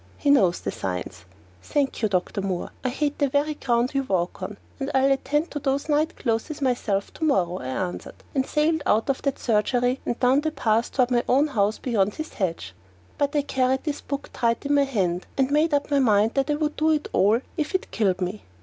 He knows the signs. "Thank you, Dr. Moore! I hate the very ground you walk on, and I'll attend to those night clothes myself to morrow," I answered, and I sailed out of that surgery and down the path toward my own house beyond his hedge. But I carried this book tight in my hand, and I made up my mind that I would do it all if it killed me.